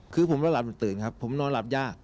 คือผมหลับมันตื่นครับผมนอนหลับยาก